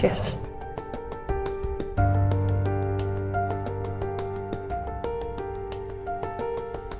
terima kasih pak